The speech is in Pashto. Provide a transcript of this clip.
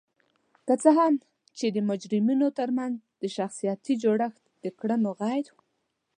که څه هم چې د مجرمینو ترمنځ د شخصیتي جوړخت د کړنو غیر